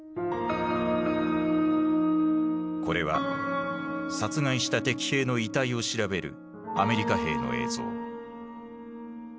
これは殺害した敵兵の遺体を調べるアメリカ兵の映像。